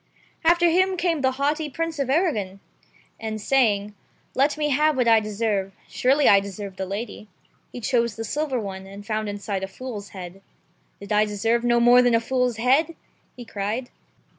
After him came the haughty Prince of Arragon, and saying, "Let me^have what I deserve — surely I deserve the lady," he chose the silver one, and found inside a fool's head. "Did I deserve no more than a fool's head ?" he cried.